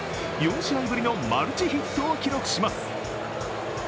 ４試合ぶりのマルチヒットを記録します。